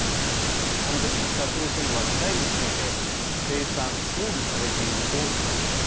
この時、北朝鮮はミサイルについて生産・装備されていると表明。